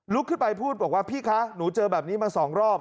ขึ้นไปพูดบอกว่าพี่คะหนูเจอแบบนี้มา๒รอบ